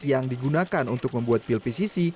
yang digunakan untuk membuat pil pcc